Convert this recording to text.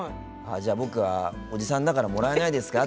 じゃあ、僕はおじさんだからもらえないですか？